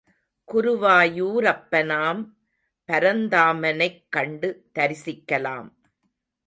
குருவாயூரப்பனாம் பரந்தாமனைக் கண்டு தரிசிக்கலாம்.